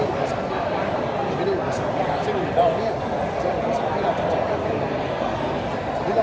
อยู่ด้วยอุปสรรคนะครับซึ่งอุปสรรคเนี่ยมันจะอยู่ด้วยอุปสรรคให้เราจัดเรื่องกัน